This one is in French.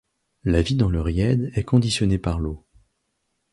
La vie dans le Ried est conditionnée par l'eau.